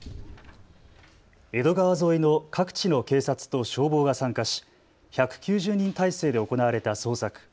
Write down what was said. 江戸川沿いの各地の警察と消防が参加し１９０人態勢で行われた捜索。